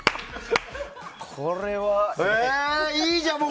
これは。いいじゃん！